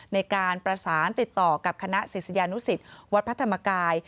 ในการประสานติดต่อกับคณะศิษยานุสิตวัดพระธรรมกาย